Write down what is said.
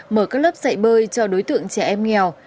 mở các lớp dạy bơi cho đối tượng trẻ em nghèo